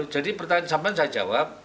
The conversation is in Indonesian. jadi pertanyaan pertanyaan saya jawab